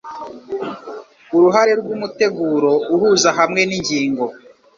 Uruhare rwumuteguro uhuza hamwe ningingo